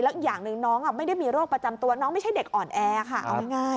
อีกอย่างหนึ่งน้องไม่ได้มีโรคประจำตัวน้องไม่ใช่เด็กอ่อนแอค่ะเอาง่าย